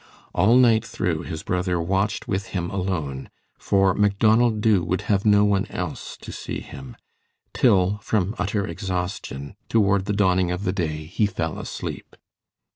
All night through his brother watched with him alone, for Macdonald Dubh would have no one else to see him, till, from utter exhaustion, toward the dawning of the day, he fell asleep.